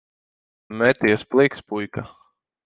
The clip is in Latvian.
Meties pliks, puika.